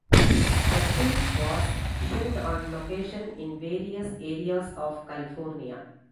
The film was shot on location in various areas of California.